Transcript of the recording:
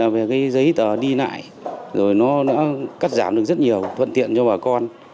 về cái giấy tờ đi lại rồi nó đã cắt giảm được rất nhiều thuận tiện cho bà con